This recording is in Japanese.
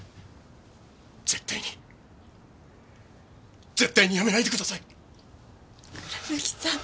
絶対に絶対にやめないでください！倉貫さん。